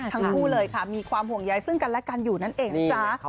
ทั้งคู่เลยค่ะมีความห่วงใยซึ่งกันและกันอยู่นั่นเองนะจ๊ะ